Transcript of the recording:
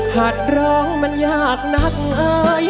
หัดร้องมันอยากนักไอ